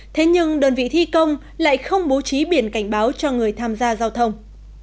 thế nhưng đơn vị thi công lại không bố trí biển cảnh báo cho người tham gia giao thông